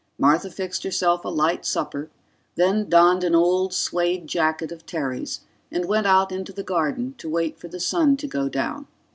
Martha fixed herself a light supper, then donned an old suede jacket of Terry's and went out into the garden to wait for the sun to go down.